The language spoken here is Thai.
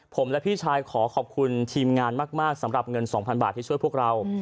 ผมและพี่ชายขอขอบคุณทีมงานมากสำหรับเงิน๒๐๐บาทที่ช่วยพวกเรา